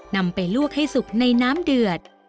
นำไปลวกให้สุกในน้ำเดือด